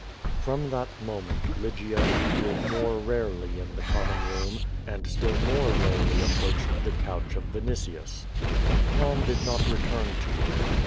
From that moment, Lygia api^earcd more rarely in the common room, and still more rarely approaced tho couch of Vinitius. lUit calm did not return to her.